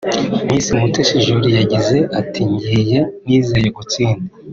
Miss Mutesi Jolly yagize ati “Ngiye nizeye gutsinda